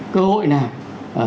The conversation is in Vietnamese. cơ hội nào